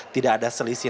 tidak ada selisih